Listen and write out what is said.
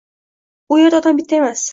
u erda odam bitta emas